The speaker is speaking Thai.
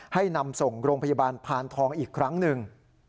นำส่งโรงพยาบาลพานทองอีกครั้งหนึ่ง